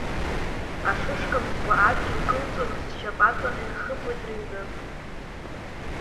Ашышкамсқәа адгьыл кылҵәаны, сшьап аҵаҟа ирхыбуеит рыҩны.